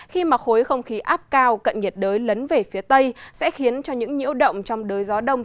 khi mà khối không khí áp cao cận nhiệt đới lấn về phía tây sẽ khiến cho những nhiễu động trong đới gió đông